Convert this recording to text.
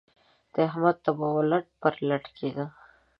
د احمد تبه وه؛ لټ پر لټ کېدی.